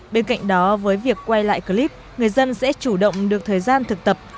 bên cạnh đó với việc quay lại clip người dân sẽ chủ động được thời gian thực tập